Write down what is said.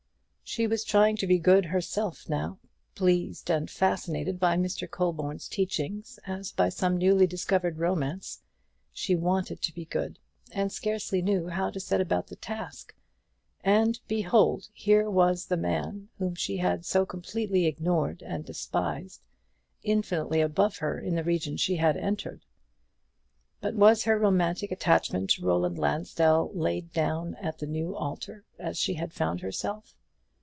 She was trying to be good herself now pleased and fascinated by Mr. Colborne's teaching as by some newly discovered romance she wanted to be good, and scarcely knew how to set about the task; and, behold, here was the man whom she had so completely ignored and despised, infinitely above her in the region she had entered. But was her romantic attachment to Roland Lansdell laid down at the new altar she had found for herself?